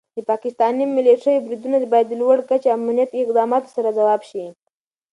د پاکستاني ملیشو بریدونه باید د لوړ کچې امنیتي اقداماتو سره ځواب شي.